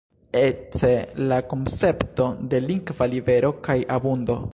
Ekce la koncepto de lingva libero kaj abundo.